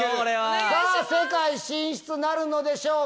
さぁ世界進出なるのでしょうか？